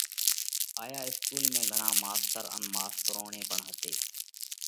هائيا اِسڪُول ۾ گھڻا ماستر ان ماستروڻي پڻ هتي۔